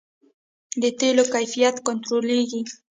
د تیلو کیفیت کنټرولیږي؟